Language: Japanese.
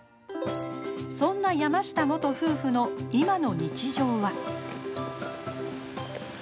そんな山下元夫婦の今の日常は。